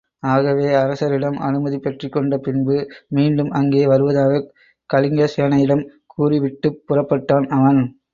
ஆகவே அரசரிடம் அனுமதி பெற்றுக்கொண்ட பின்பு மீண்டும் அங்கே வருவதாகக் கலிங்கசேனையிடம் கூறிவிட்டுப் புறப்பட்டான் அவன்.